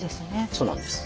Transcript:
そうなんです。